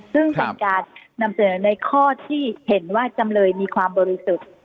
ซึ่งเป็นการนำเสนอในข้อที่เห็นว่าจำเลยมีความบริสุทธิ์